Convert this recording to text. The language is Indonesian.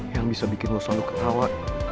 yang bisa bikin lo selalu ketawa